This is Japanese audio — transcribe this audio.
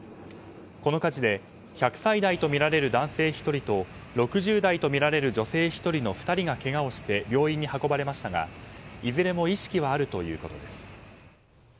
この火事で１００歳代とみられる男性１人と６０代とみられる女性１人の２人がけがをして病院に運ばれましたが、いずれも意識はあるということです。